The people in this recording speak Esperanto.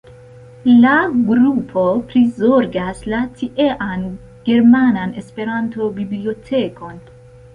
La grupo prizorgas la tiean Germanan Esperanto-Bibliotekon.